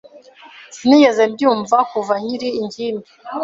Sinigeze mbyumva kuva nkiri ingimbi.